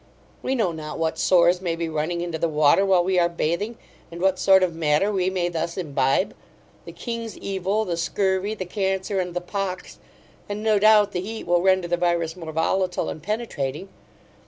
we know not what sores may be running into the water while we are bathing, and what sort of matter we may thus imbibe; the king's evil, the scurvy, the cancer, and the pox; and, no doubt, the heat will render the virus the more volatile and penetrating.